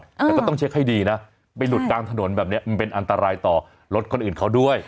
แต่ก็ต้องเช็คให้ดีนะไปหลุดกลางถนนแบบนี้มันเป็นอันตรายต่อรถคนอื่นเขาด้วย